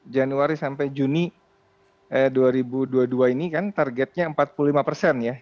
januari sampai juni dua ribu dua puluh dua ini kan targetnya empat puluh lima persen ya